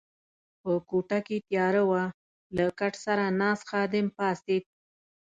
په کوټه کې تیاره وه، له کټ سره ناست خادم پاڅېد.